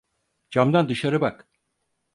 Camdan dışarı bak.